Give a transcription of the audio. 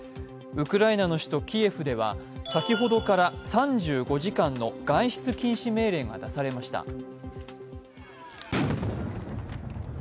ウクライナの首都キエフでは先ほどから３５時間の外出禁止命令が出されました。